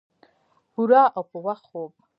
پوره او پۀ وخت خوب